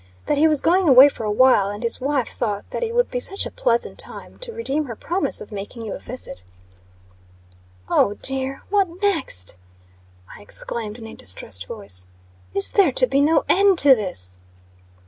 That he was going away for a while, and his wife thought that it would be such a pleasant time to redeem her promise of making you a visit." "Oh dear! What next!" I exclaimed in a distressed voice. "Is there to be no end to this?"